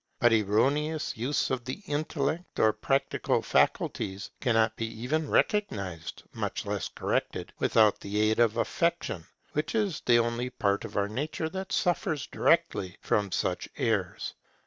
But erroneous use of the intellectual or practical faculties, cannot be even recognized, much less corrected, without the aid of Affection, which is the only part of our nature that suffers directly from such errors.